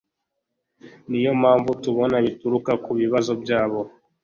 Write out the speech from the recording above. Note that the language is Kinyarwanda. Niyo mpamvu tubona bituruka kubibazo byabo